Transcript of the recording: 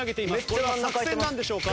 これは作戦なんでしょうか？